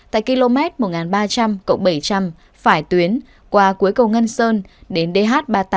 tại km một nghìn ba trăm linh bảy trăm linh phải tuyến qua cuối cầu ngân sơn đến dh ba mươi tám